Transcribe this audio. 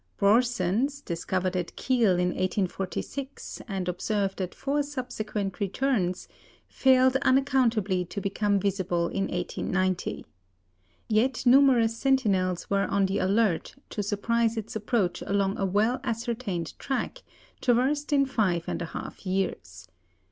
Brorsen's, discovered at Kiel in 1846, and observed at four subsequent returns, failed unaccountably to become visible in 1890. Yet numerous sentinels were on the alert to surprise its approach along a well ascertained track, traversed in five and a half years.